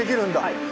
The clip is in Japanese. ・はい。